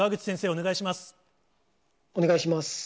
お願いします。